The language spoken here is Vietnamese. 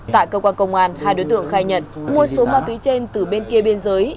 tại cơ quan công an hai đối tượng khai nhận mua số ma túy trên từ bên kia biên giới